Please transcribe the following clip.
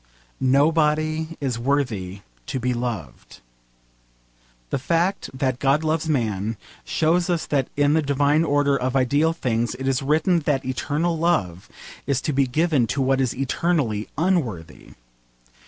Nobody is worthy to be loved. The fact that God loves man shows us that in the divine order of ideal things it is written that eternal love is to be given to what is eternally unworthy.